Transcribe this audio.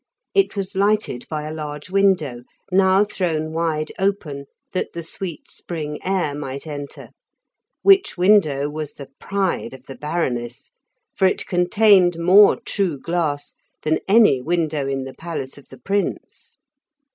It was lighted by a large window, now thrown wide open that the sweet spring air might enter, which window was the pride of the Baroness, for it contained more true glass than any window in the palace of the Prince.